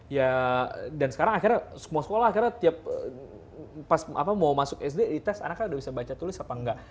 ya dan sekarang akhirnya semua sekolah akhirnya tiap pas mau masuk sd dites anak kan udah bisa baca tulis apa enggak